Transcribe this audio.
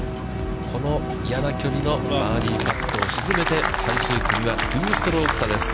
この嫌な距離のバーディーパットを沈めて、最終組は２ストローク差です。